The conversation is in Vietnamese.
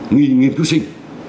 nghi nghiên cứu sinh